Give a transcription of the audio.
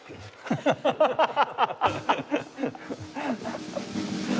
ハハハハハ。